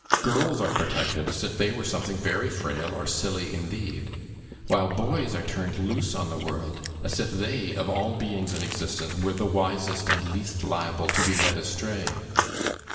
Girls are protected as if they were something very frail or silly indeed, while boys are turned loose on the world, as if they, of all beings in existence, were the wisest and least liable to be led astray.